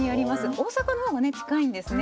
大阪のほうがね近いんですね。